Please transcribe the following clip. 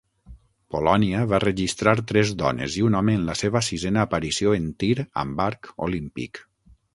Polònia va registrar tres dones i un home en la seva sisena aparició en tir amb arc olímpic.